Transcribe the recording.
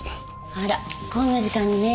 あらこんな時間にメール？